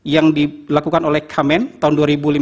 yang dilakukan oleh kamen tahun dua ribu lima belas